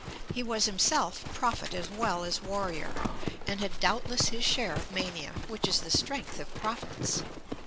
He was himself prophet as well as warrior, and had doubtless his share of mania, which is the strength of prophets.